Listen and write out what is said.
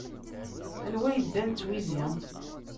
Anwa yeddan d twizi?